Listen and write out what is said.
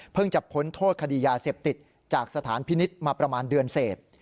จะพ้นโทษคดียาเสพติดจากสถานพินิษฐ์มาประมาณเดือนเศษ